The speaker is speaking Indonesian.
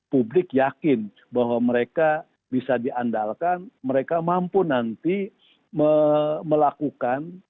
publik yakin bahwa mereka bisa diandalkan mereka mampu nanti melakukan